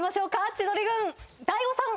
千鳥軍大悟さん